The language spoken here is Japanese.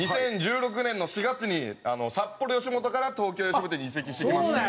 ２０１６年の４月に札幌よしもとから東京よしもとに移籍してきまして。